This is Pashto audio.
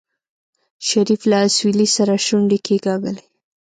شريف له اسويلي سره شونډې کېکاږلې.